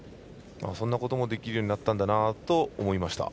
そんなこともできるようになったんだなと思いました。